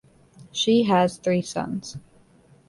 She has three sons.